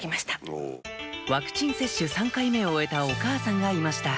ワクチン接種３回目を終えたお母さんがいました